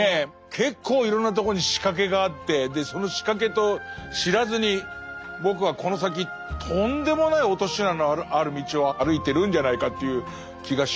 結構いろんなとこに仕掛けがあってその仕掛けと知らずに僕はこの先とんでもない落とし穴のある道を歩いてるんじゃないかという気がしますね。